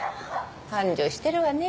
繁盛してるわね